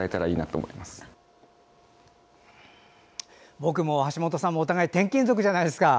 僕も橋本さんもお互い、転勤族じゃないですか。